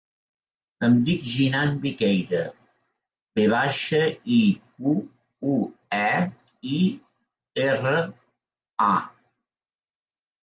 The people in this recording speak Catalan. Em dic Jinan Viqueira: ve baixa, i, cu, u, e, i, erra, a.